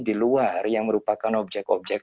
di luar yang merupakan objek objek